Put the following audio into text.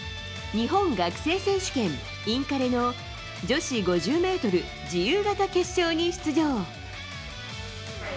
日本学生選手権、インカレの女子５０ｍ自由形決勝に出場。